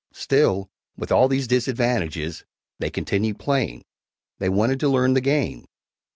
Still, with all these disadvantages, they continued playing they wanted to learn the game.